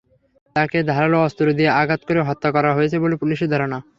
তাঁকে ধারালো অস্ত্র দিয়ে আঘাত করে হত্যা করা হয়েছে বলে পুলিশের ধারণা।